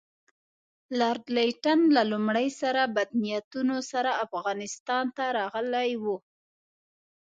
لارډ لیټن له لومړي سره بد نیتونو سره افغانستان ته راغلی وو.